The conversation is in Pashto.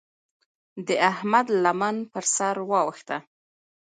د احمد لمن پر سر واوښته.